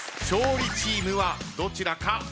勝利チームはどちらか？